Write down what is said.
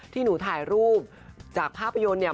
ที่หนูถ่ายรูปจากภาพยนตร์เนี่ย